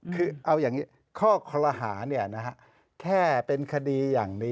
คือเอาอย่างนี้ข้อคอลหาแค่เป็นคดีอย่างนี้